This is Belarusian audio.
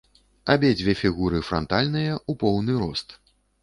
Абедзве фігуры франтальныя, у поўны рост.